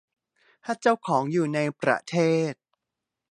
ถ้าเจ้าของอยู่ในประเทศ